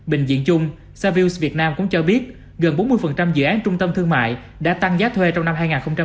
bệnh viện chung savills việt nam cũng cho biết gần bốn mươi dự án trung tâm thương mại đã tăng giá thuê trong năm hai nghìn hai mươi hai